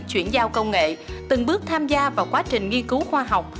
chuyển giao công nghệ từng bước tham gia vào quá trình nghiên cứu khoa học